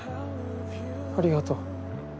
ありがとう。